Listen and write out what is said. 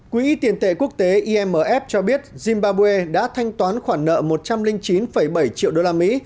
quỹ tiền tệ quốc tế imf cho biết zimbabwe đã thanh toán khoản nợ một trăm linh chín bảy triệu đồng